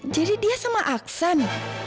jadi dia sama aksan